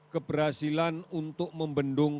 keberhasilan untuk membendung